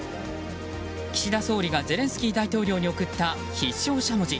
岸田総理がゼレンスキー大統領に贈った必勝しゃもじ。